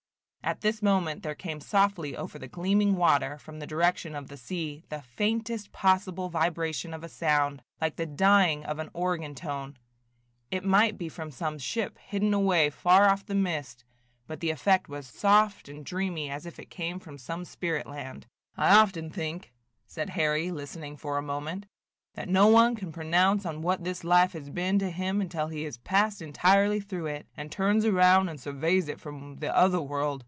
At this moment there came softly over the gleaming water, from the direction of the sea, the faintest possible vibration of a sound, like the dying of an organ tone. It might be from some ship, hidden away far off in the mist, but the effect was soft and dreamy as if it came from some spirit land. "I often think," said Harry, listening for a moment, "that no one can pronounce on what this life has been to him until he has passed entirely through it, and turns around and surveys it from the other world.